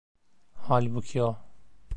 Halbuki o.